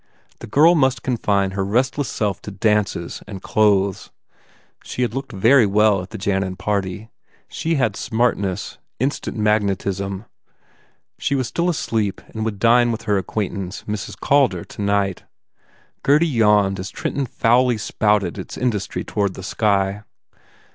The girl must confine her restless self to dances and clothes. She had looked very well at the Jannan party. She had smartness, instant magnetism. She was still asleep and would dine with her acquaintance, Mrs. Calder, tonight. Gurdy yawned as Trenton foully spouted its industry toward the sky.